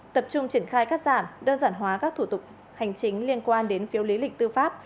tập trung triển khai cắt giảm đơn giản hóa các thủ tục hành chính liên quan đến phiếu lý lịch tư pháp